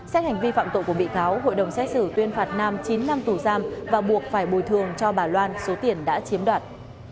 xét hành vi phạm tội của bị cáo hội đồng xét xử tuyên phạt nam chín năm tù giam và buộc phải bồi thường cho bà loan số tiền đã chiếm đoạt